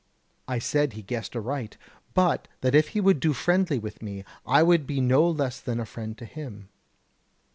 I said that he guessed aright, but that if he would do friendly with me, I would be no less than a friend to him.